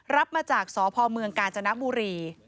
รับมาจากสพเมืองกาญจนบุรี